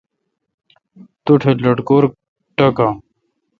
تو ٹھ لٹکور ٹاکان۔